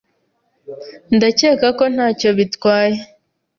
Ndakeka ko ntacyo bitwaye.